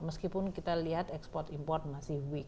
meskipun kita lihat export import masih weak